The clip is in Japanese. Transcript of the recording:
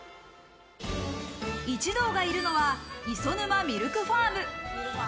一同がいるのは磯沼ミルクファーム。